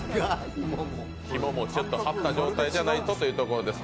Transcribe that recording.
ひもも張った状態じゃないとというところです